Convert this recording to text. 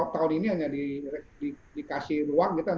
tahun ini hanya dikasih ruang gitu empat lima puluh orang